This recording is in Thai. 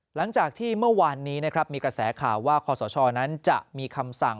หลังจากที่เมื่อวานนี้นะครับมีกระแสข่าวว่าคอสชนั้นจะมีคำสั่ง